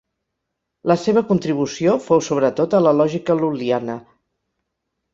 La seva contribució fou sobretot a la lògica lul·liana.